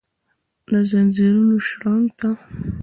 دځنځیرونو شرنګ ته ،